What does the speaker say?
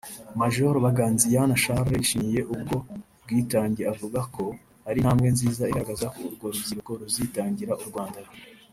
Major Baganziyana Charles yashimiye ubwo bwitange avuka ko ari intambwe nziza igaragaza ko urwo rubyiruko ruzitangira u Rwanda